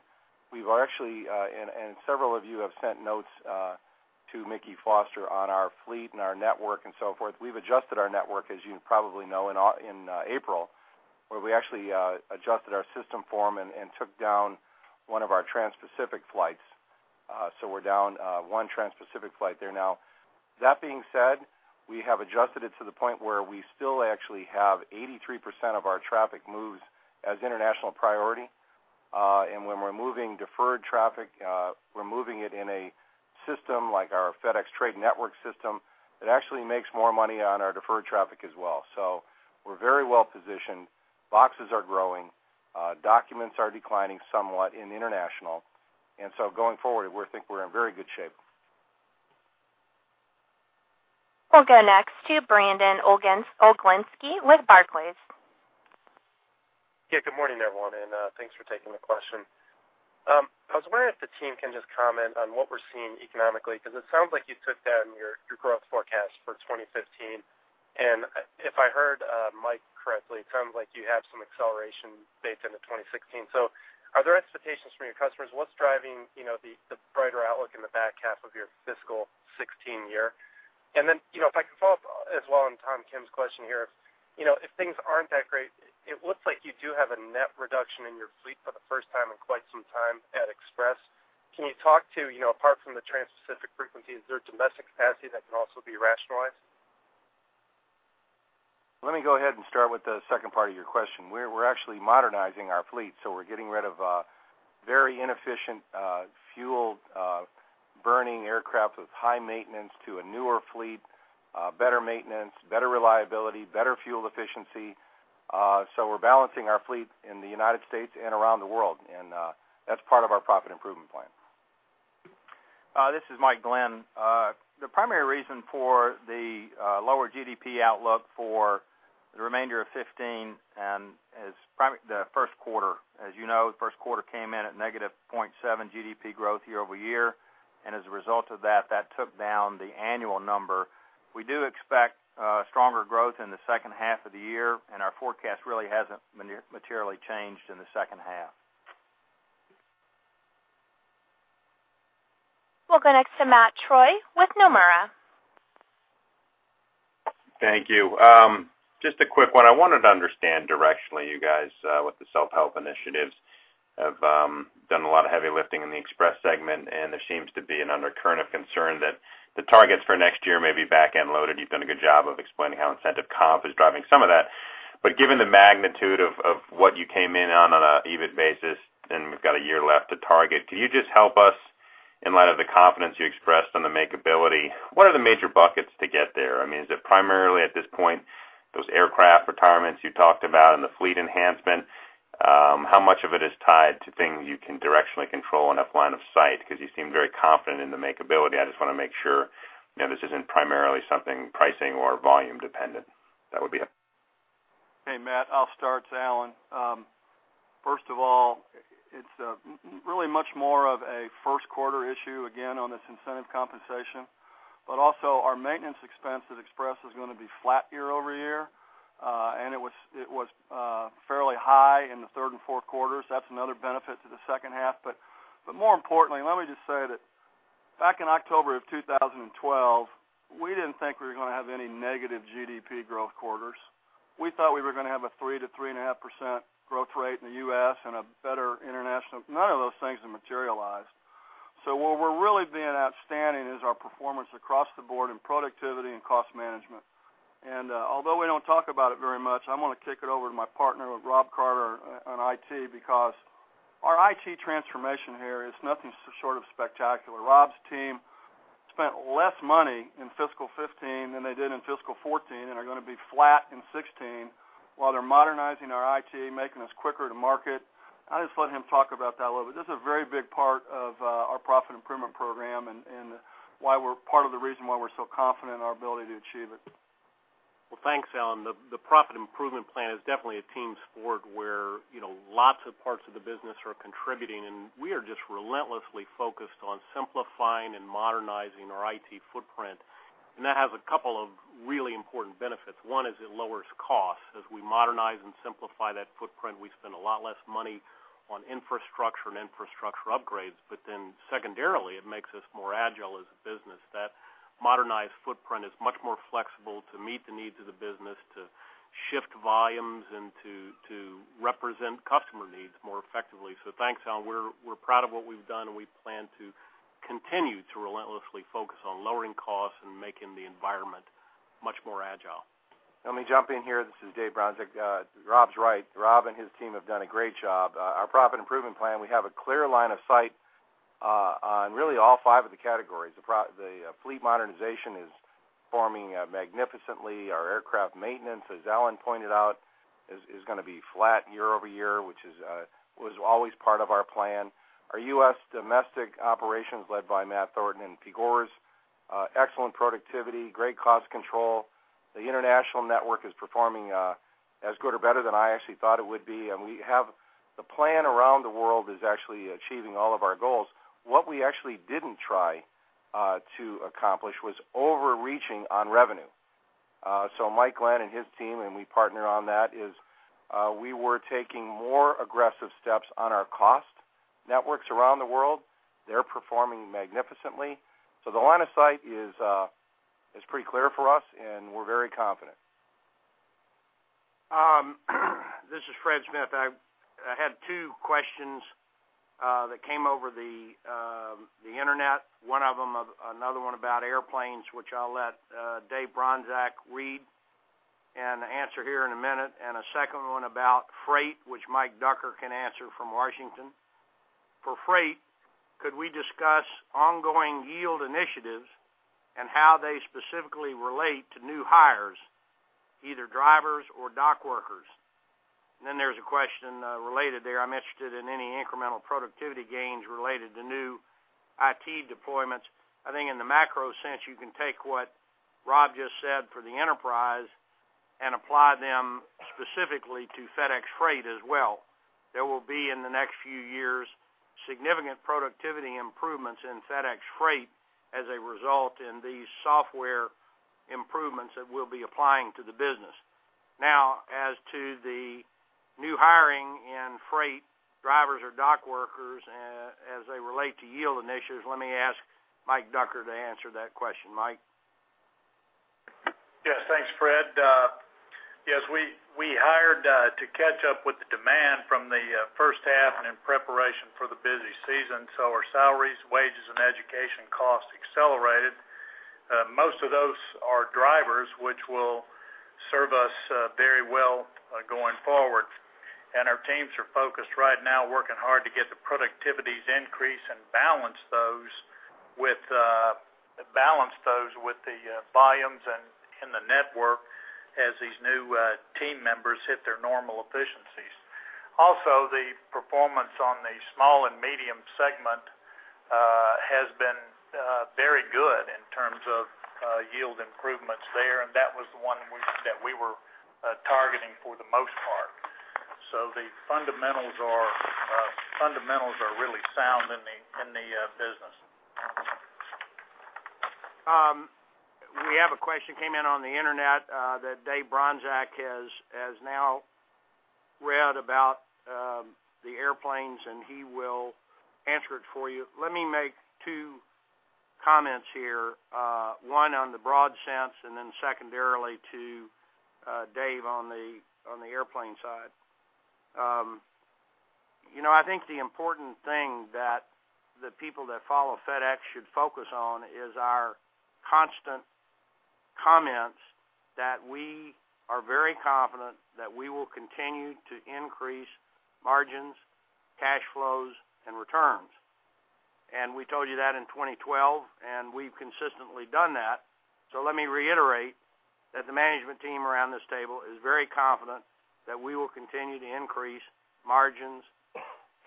we've actually, and several of you have sent notes to Mickey Foster on our fleet and our network and so forth. We've adjusted our network, as you probably know, in April, where we actually adjusted our system form and took down one of our Trans-Pacific flights. So we're down one Trans-Pacific flight there now. That being said, we have adjusted it to the point where we still actually have 83% of our traffic moves as International Priority. When we're moving deferred traffic, we're moving it in a system like our FedEx Trade Networks system that actually makes more money on our deferred traffic as well. We're very well positioned. Boxes are growing. Documents are declining somewhat in international. Going forward, we think we're in very good shape. We'll go next to Brandon Oglenski with Barclays. Yeah, good morning, everyone, and thanks for taking the question. I was wondering if the team can just comment on what we're seeing economically, because it sounds like you took down your growth forecast for 2015. And if I heard Mike correctly, it sounds like you have some acceleration based into 2016. So are there expectations from your customers? What's driving the brighter outlook in the back half of your fiscal 2016 year? And then if I can follow up as well on Tom Kim's question here, if things aren't that great, it looks like you do have a net reduction in your fleet for the first time in quite some time at Express. Can you talk to, apart from the Trans-Pacific frequencies, is there domestic capacity that can also be rationalized? Let me go ahead and start with the second part of your question. We're actually modernizing our fleet, so we're getting rid of very inefficient fuel-burning aircraft with high maintenance to a newer fleet, better maintenance, better reliability, better fuel efficiency. So we're balancing our fleet in the United States and around the world, and that's part of our profit improvement plan. This is Mike Glenn. The primary reason for the lower GDP outlook for the remainder of 2015 is the first quarter. As you know, the first quarter came in at negative 0.7 GDP growth year over year, and as a result of that, that took down the annual number. We do expect stronger growth in the second half of the year, and our forecast really hasn't materially changed in the second half. We'll go next to Matt Troy with Nomura. Thank you. Just a quick one. I wanted to understand directionally you guys with the self-help initiatives. I've done a lot of heavy lifting in the Express segment, and there seems to be an undercurrent of concern that the targets for next year may be back-end loaded. You've done a good job of explaining how incentive comp is driving some of that. But given the magnitude of what you came in on an EBIT basis, and we've got a year left to target, could you just help us in light of the confidence you expressed on the makeability? What are the major buckets to get there? I mean, is it primarily at this point those aircraft retirements you talked about and the fleet enhancement? How much of it is tied to things you can directionally control in line of sight? Because you seem very confident in the makeability. I just want to make sure this isn't primarily something pricing or volume dependent. That would be helpful. Hey, Matt. I'll start, Alan. First of all, it's really much more of a first quarter issue again on this incentive compensation. But also our maintenance expense at Express is going to be flat year-over-year, and it was fairly high in the third and fourth quarters. That's another benefit to the second half. But more importantly, let me just say that back in October of 2012, we didn't think we were going to have any negative GDP growth quarters. We thought we were going to have a 3%-3.5% growth rate in the U.S. and a better international. None of those things have materialized. So where we're really being outstanding is our performance across the board in productivity and cost management. Although we don't talk about it very much, I want to kick it over to my partner Rob Carter on IT because our IT transformation here is nothing short of spectacular. Rob's team spent less money in fiscal 2015 than they did in fiscal 2014 and are going to be flat in 2016 while they're modernizing our IT, making us quicker to market. I'll just let him talk about that a little bit. This is a very big part of our Profit Improvement Program and why we're part of the reason why we're so confident in our ability to achieve it. Well, thanks, Alan. The profit improvement plan is definitely a team sport where lots of parts of the business are contributing, and we are just relentlessly focused on simplifying and modernizing our IT footprint. That has a couple of really important benefits. One is it lowers costs. As we modernize and simplify that footprint, we spend a lot less money on infrastructure and infrastructure upgrades. Then secondarily, it makes us more agile as a business. That modernized footprint is much more flexible to meet the needs of the business, to shift volumes, and to represent customer needs more effectively. So thanks, Alan. We're proud of what we've done, and we plan to continue to relentlessly focus on lowering costs and making the environment much more agile. Let me jump in here. This is Dave Bronczek. Rob's right. Rob and his team have done a great job. Our profit improvement plan, we have a clear line of sight on really all five of the categories. The fleet modernization is performing magnificently. Our aircraft maintenance, as Alan pointed out, is going to be flat year-over-year, which was always part of our plan. Our U.S. domestic operations led by Matt Thornton and Pigors, excellent productivity, great cost control. The international network is performing as good or better than I actually thought it would be. And we have the plan around the world is actually achieving all of our goals. What we actually didn't try to accomplish was overreaching on revenue. So Mike Glenn and his team and we partner on that is we were taking more aggressive steps on our cost networks around the world. They're performing magnificently. So the line of sight is pretty clear for us, and we're very confident. This is Fred Smith. I had two questions that came over the internet. One of them, another one about airplanes, which I'll let Dave Bronczek read and answer here in a minute. And a second one about Freight, which Mike Ducker can answer from Washington. For Freight, could we discuss ongoing yield initiatives and how they specifically relate to new hires, either drivers or dock workers? And then there's a question related there. I'm interested in any incremental productivity gains related to new IT deployments. I think in the macro sense, you can take what Rob just said for the enterprise and apply them specifically to FedEx Freight as well. There will be in the next few years significant productivity improvements in FedEx Freight as a result in these software improvements that we'll be applying to the business. Now, as to the new hiring in Freight, drivers or dock workers, as they relate to yield initiatives, let me ask Mike Ducker to answer that question. Mike? Yes, thanks, Fred. Yes, we hired to catch up with the demand from the first half and in preparation for the busy season. So our salaries, wages, and education costs accelerated. Most of those are drivers, which will serve us very well going forward. And our teams are focused right now, working hard to get the productivities increase and balance those with the volumes and in the network as these new team members hit their normal efficiencies. Also, the performance on the small and medium segment has been very good in terms of yield improvements there, and that was the one that we were targeting for the most part. So the fundamentals are really sound in the business. We have a question that came in on the internet that Dave Bronczek has now read about the airplanes, and he will answer it for you. Let me make two comments here. One on the broad sense and then secondarily to Dave on the airplane side. I think the important thing that the people that follow FedEx should focus on is our constant comments that we are very confident that we will continue to increase margins, cash flows, and returns. And we told you that in 2012, and we've consistently done that. So let me reiterate that the management team around this table is very confident that we will continue to increase margins,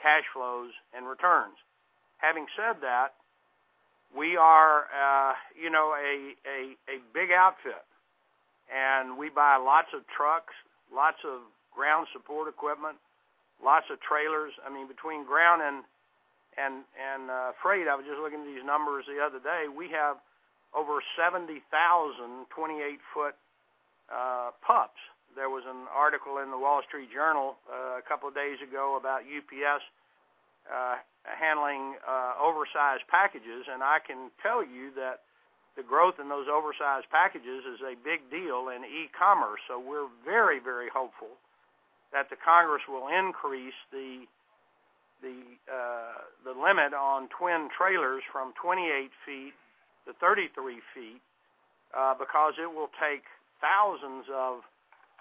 cash flows, and returns. Having said that, we are a big outfit, and we buy lots of trucks, lots of ground support equipment, lots of trailers. I mean, between Ground and Freight, I was just looking at these numbers the other day. We have over 70,000 28-foot pups. There was an article in the Wall Street Journal a couple of days ago about UPS handling oversized packages. I can tell you that the growth in those oversized packages is a big deal in e-commerce. We're very, very hopeful that the Congress will increase the limit on twin trailers from 28 feet to 33 feet because it will take thousands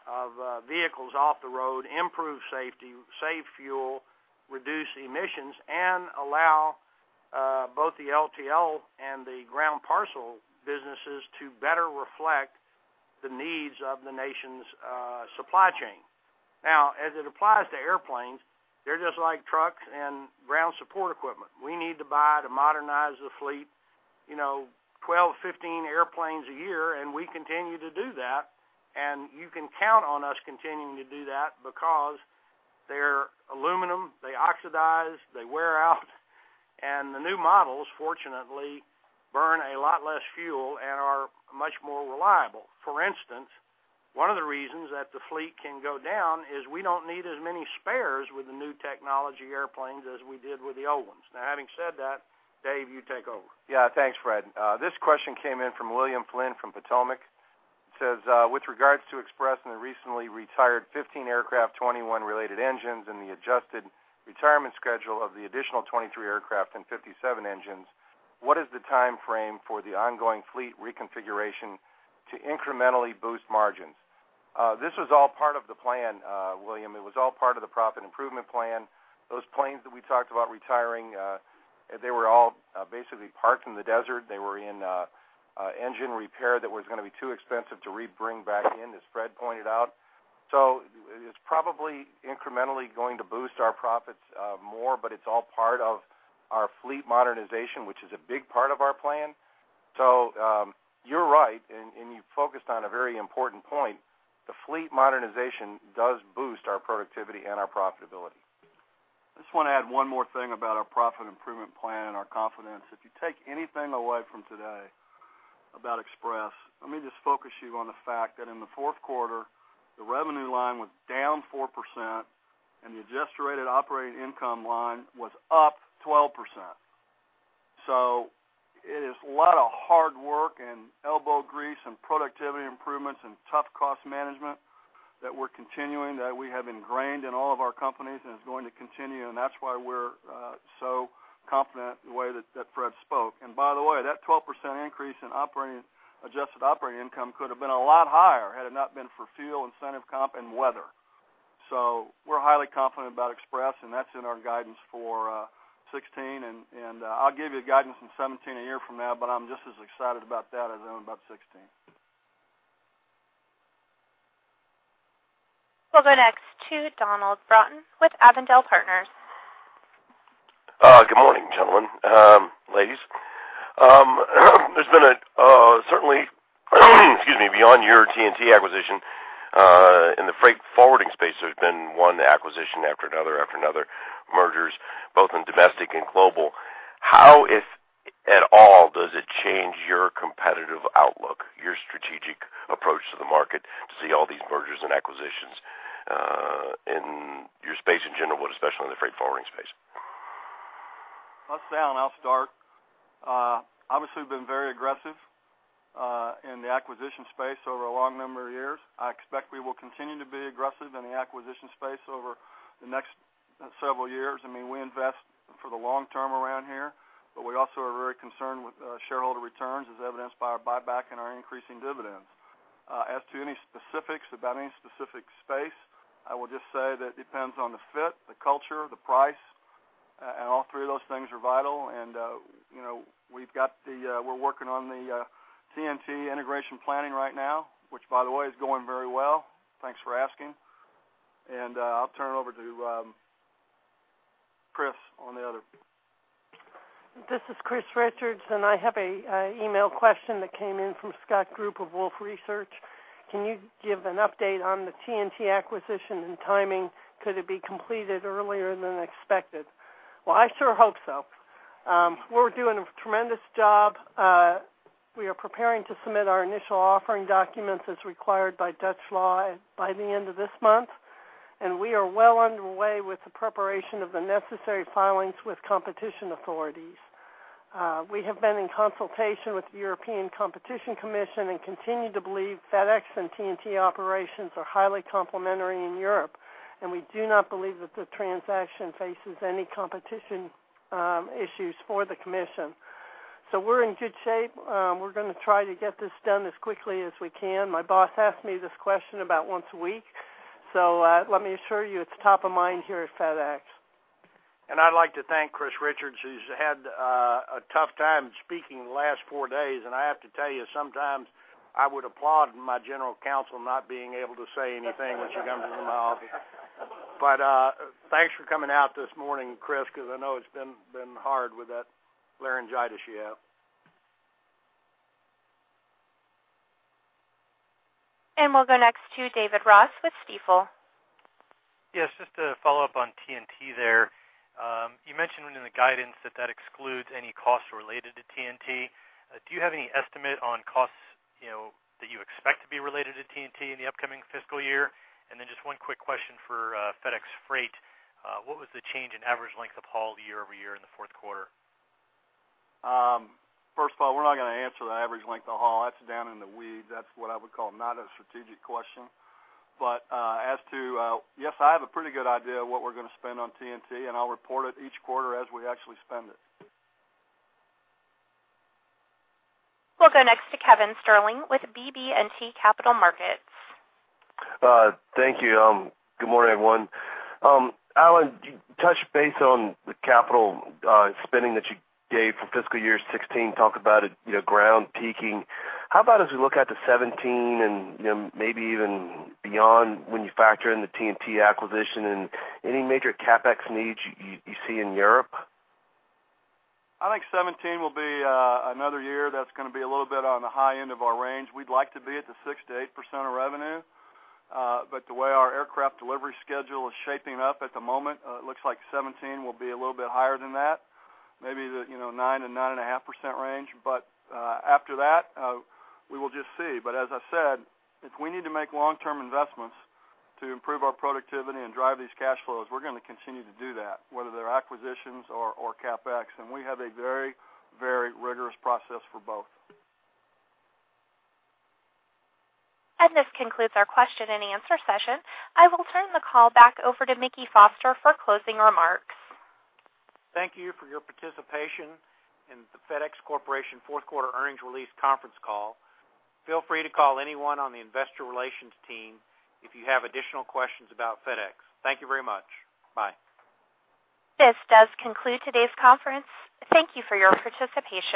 of vehicles off the road, improve safety, save fuel, reduce emissions, and allow both the LTL and the ground parcel businesses to better reflect the needs of the nation's supply chain. Now, as it applies to airplanes, they're just like trucks and ground support equipment. We need to buy to modernize the fleet 12-15 airplanes a year, and we continue to do that. You can count on us continuing to do that because they're aluminum, they oxidize, they wear out, and the new models, fortunately, burn a lot less fuel and are much more reliable. For instance, one of the reasons that the fleet can go down is we don't need as many spares with the new technology airplanes as we did with the old ones. Now, having said that, Dave, you take over. Yeah, thanks, Fred. This question came in from William Flynn from Potomac. It says, "With regards to Express and the recently retired 15 aircraft, 21 related engines, and the adjusted retirement schedule of the additional 23 aircraft and 57 engines, what is the time frame for the ongoing fleet reconfiguration to incrementally boost margins?" This was all part of the plan, William. It was all part of the profit improvement plan. Those planes that we talked about retiring, they were all basically parked in the desert. They were in engine repair that was going to be too expensive to bring back in, as Fred pointed out. So it's probably incrementally going to boost our profits more, but it's all part of our fleet modernization, which is a big part of our plan. So you're right, and you focused on a very important point. The fleet modernization does boost our productivity and our profitability. I just want to add one more thing about our profit improvement plan and our confidence. If you take anything away from today about Express, let me just focus you on the fact that in the fourth quarter, the revenue line was down 4%, and the adjusted rate of operating income line was up 12%. So it is a lot of hard work and elbow grease and productivity improvements and tough cost management that we're continuing that we have ingrained in all of our companies and is going to continue. And that's why we're so confident in the way that Fred spoke. And by the way, that 12% increase in adjusted operating income could have been a lot higher had it not been for fuel, incentive comp, and weather. So we're highly confident about Express, and that's in our guidance for 2016. I'll give you guidance in 2017 a year from now, but I'm just as excited about that as I am about 2016. We'll go next to Donald Broughton with Avondale Partners. Good morning, gentlemen, ladies. There's been a certainly, excuse me, beyond your TNT acquisition in the Freight forwarding space, there's been one acquisition after another after another mergers, both in domestic and global. How, if at all, does it change your competitive outlook, your strategic approach to the market to see all these mergers and acquisitions in your space in general, but especially in the Freight forwarding space? Well, that's Alan. I'll start. Obviously, we've been very aggressive in the acquisition space over a long number of years. I mean, we invest for the long term around here, but we also are very concerned with shareholder returns, as evidenced by our buyback and our increasing dividends. As to any specifics about any specific space, I will just say that it depends on the fit, the culture, the price, and all three of those things are vital. And we're working on the TNT integration planning right now, which, by the way, is going very well. Thanks for asking. And I'll turn it over to Chris on the other. This is Chris Richards, and I have an email question that came in from Scott Group of Wolfe Research. Can you give an update on the TNT acquisition and timing? Could it be completed earlier than expected? Well, I sure hope so. We're doing a tremendous job. We are preparing to submit our initial offering documents as required by Dutch law by the end of this month, and we are well underway with the preparation of the necessary filings with competition authorities. We have been in consultation with the European Competition Commission and continue to believe FedEx and TNT operations are highly complementary in Europe, and we do not believe that the transaction faces any competition issues for the commission. So we're in good shape. We're going to try to get this done as quickly as we can. My boss asked me this question about once a week, so let me assure you it's top of mind here at FedEx. I'd like to thank Chris Richards. He's had a tough time speaking the last four days, and I have to tell you, sometimes I would applaud my General Counsel not being able to say anything when she comes into my office. But thanks for coming out this morning, Chris, because I know it's been hard with that laryngitis you have. We'll go next to David Ross with Stifel. Yes, just to follow up on TNT there. You mentioned in the guidance that that excludes any costs related to TNT. Do you have any estimate on costs that you expect to be related to TNT in the upcoming fiscal year? And then just one quick question for FedEx Freight. What was the change in average length of haul year-over-year in the fourth quarter? First of all, we're not going to answer the average length of haul. That's down in the weeds. That's what I would call not a strategic question. But as to, yes, I have a pretty good idea of what we're going to spend on TNT, and I'll report it each quarter as we actually spend it. We'll go next to Kevin Sterling with BB&T Capital Markets. Thank you. Good morning, everyone. Alan, you touched base on the capital spending that you gave for fiscal year 2016, talked about ground peaking. How about as we look at the 2017 and maybe even beyond when you factor in the TNT acquisition and any major CapEx needs you see in Europe? I think 2017 will be another year that's going to be a little bit on the high end of our range. We'd like to be at the 6%-8% of revenue, but the way our aircraft delivery schedule is shaping up at the moment, it looks like 2017 will be a little bit higher than that, maybe the 9%-9.5% range. But after that, we will just see. But as I said, if we need to make long-term investments to improve our productivity and drive these cash flows, we're going to continue to do that, whether they're acquisitions or CapEx. And we have a very, very rigorous process for both. This concludes our question and answer session. I will turn the call back over to Mickey Foster for closing remarks. Thank you for your participation in the FedEx Corporation Fourth Quarter Earnings Release Conference Call. Feel free to call anyone on the investor relations team if you have additional questions about FedEx. Thank you very much. Bye. This does conclude today's conference. Thank you for your participation.